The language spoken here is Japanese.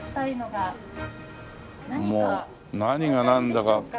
もう何がなんだか。